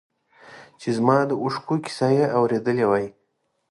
چې زما د اوښکو کیسه یې اورېدی وای.